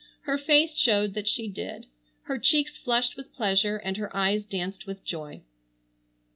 Her face showed that she did. Her cheeks flushed with pleasure, and her eyes danced with joy.